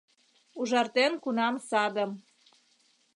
Ужартен кунам садым